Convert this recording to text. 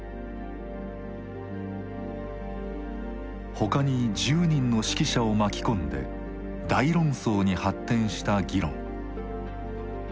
他に１０人の識者を巻き込んで大論争に発展した議論。